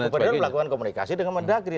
gubernur melakukan komunikasi dengan mendagri